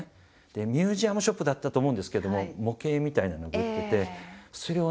でミュージアムショップだったと思うんですれけども模型みたいなのを売っててそれをね